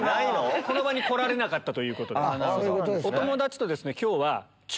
この場に来られなかったということでお友達と。